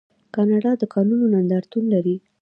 کاناډا د کانونو نندارتون لري.